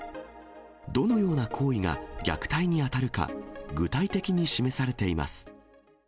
どのような行為が虐待に当たるか、具体的に示されています。